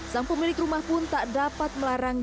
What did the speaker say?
sang pemilik rumah pun tak dapat melarang